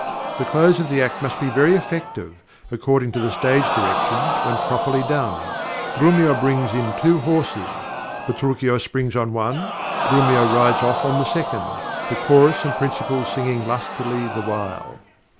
The close of the act must be very effective, according to the stage directions, when properly done. Grumio brings in two horses. Petruchio springs on one, Grumio rides off on the second, the chorus and principals singing lustily the while.